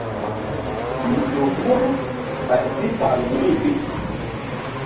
Mi ƴo ur ɓay si fal wu̧y bi.